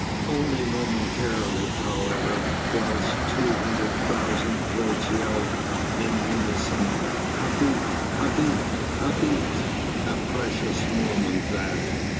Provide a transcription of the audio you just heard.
Only momentarily, however, whilst two hundred thousand throats yelled in unison: "Habet! Habet! Habet!" A precious moment that!